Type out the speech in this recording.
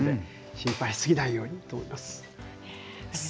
心配しすぎないようにと思います。